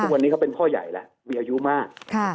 วันนี้เขาเป็นพ่อใหญ่แล้วมีอายุมาก